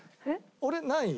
俺何位？